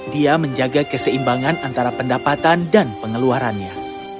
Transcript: dia menjaga keseimbangan antara pendapatan dan pengeluarannya